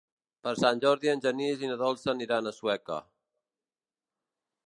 Per Sant Jordi en Genís i na Dolça aniran a Sueca.